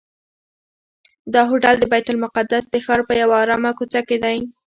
دا هوټل د بیت المقدس د ښار په یوه آرامه کوڅه کې دی.